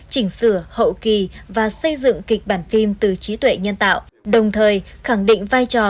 chỉnh sửa hậu kỳ và xây dựng kịch bản phim từ trí tuệ nhân tạo đồng thời khẳng định vai trò